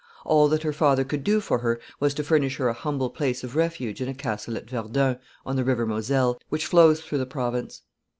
All that her father could do for her was to furnish her a humble place of refuge in a castle at Verdun, on the River Moselle, which flows through the province.